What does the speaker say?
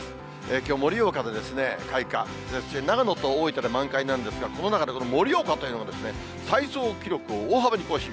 きょう、盛岡で開花、長野と大分で満開なんですが、この中で盛岡というのは、最早記録を大幅に更新。